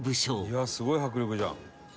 「いやあすごい迫力じゃん」